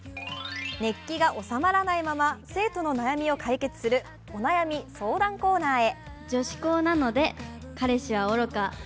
熱気が収まらないまま、生徒の悩みを解決するお悩み相談コーナーへ。